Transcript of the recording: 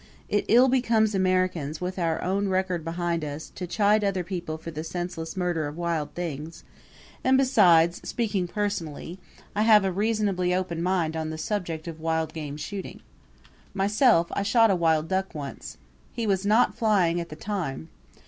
It ill becomes Americans, with our own record behind us, to chide other people for the senseless murder of wild things; and besides, speaking personally, I have a reasonably open mind on the subject of wild game shooting. Myself, I shot a wild duck once. He was not flying at the time.